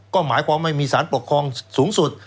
ก็หมายความว่าไม่มีสารปกครองสูงสุด